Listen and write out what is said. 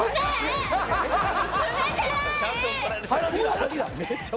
「ちゃんと怒られちゃう」